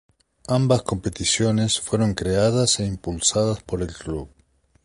Ambas competiciones fueron creadas e impulsadas por el club.